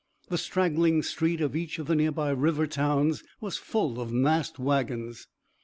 The straggling street of each of the near by river towns was full of massed wagons.